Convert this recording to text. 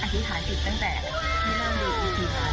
อธิษฐานจิตตั้งแต่ที่เริ่มดี